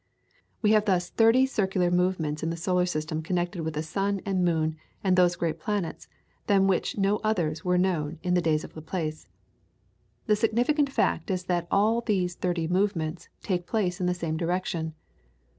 We have thus thirty circular movements in the solar system connected with the sun and moon and those great planets than which no others were known in the days of Laplace. The significant fact is that all these thirty movements take place in the same direction.